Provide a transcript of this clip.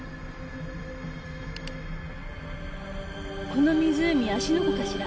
この湖芦ノ湖かしら？